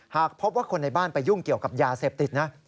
หากพบว่าคนในบ้านไปยุ่งเกี่ยวกับยาเสพติดนะ